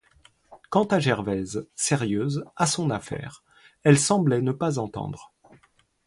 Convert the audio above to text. Quant à Gervaise, sérieuse, à son affaire, elle semblait ne pas entendre.